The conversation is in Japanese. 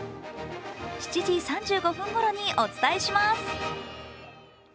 ７時３５分ごろにお伝えします。